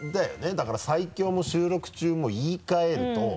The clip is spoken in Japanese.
だから「最強」も「収録中」も言い換えると。